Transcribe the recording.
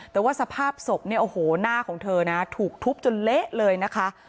แต่ว่าสภาพศพเนี่ยโอ้โหหน้าของเธอนะถูกทุบจนเละเลยนะคะ